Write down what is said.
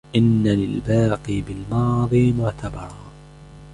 إنَّ لِلْبَاقِي بِالْمَاضِي مُعْتَبَرًا